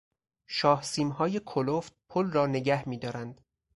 شاه سیمهای کلفت پل را نگه میدارند.